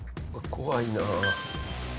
怖いなあ。